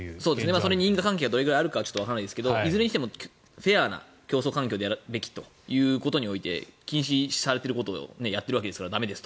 それに因果関係がどれくらいあるかはわかりませんがいずれにしてもフェアな競争環境でやるべき中で禁止されていることをやってるわけですから駄目ですと。